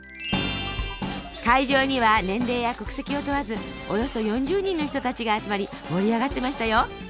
会場には年齢や国籍を問わずおよそ４０人の人たちが集まり盛り上がってましたよ。